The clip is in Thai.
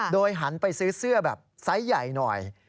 โดยหันไปซื้อเสื้อแบบไซส์ใหญ่หน่อย